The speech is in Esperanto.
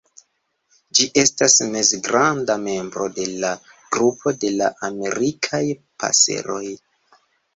Ĝi estas mezgranda membro de la grupo de la Amerikaj paseroj.